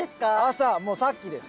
朝もうさっきです。